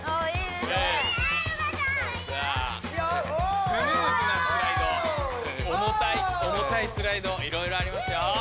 いろいろありますよ。